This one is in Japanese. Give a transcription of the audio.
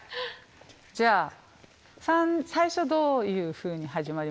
じゃあ最初どういうふうに始まりますか？